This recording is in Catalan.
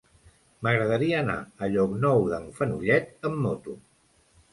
M'agradaria anar a Llocnou d'en Fenollet amb moto.